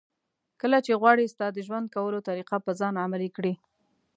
کله چې غواړي ستا د ژوند کولو طریقه په ځان عملي کړي.